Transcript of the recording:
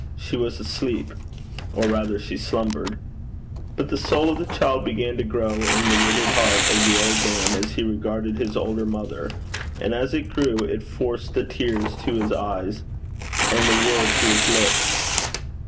She was asleep, or rather, she slumbered. But the soul of the child began to grow in the withered heart of the old man as he regarded his older mother, and as it grew it forced the tears to his eyes, and the words to his lips.